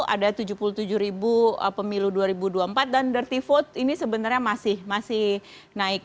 ada tujuh puluh tujuh ribu pemilu dua ribu dua puluh empat dan dearthy vote ini sebenarnya masih naik